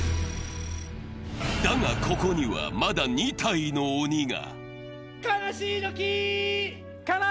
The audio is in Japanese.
だが、ここには、まだ２体の鬼が。